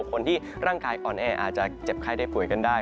คนที่ร่างกายอ่อนแออาจจะเจ็บไข้ได้ป่วยกันได้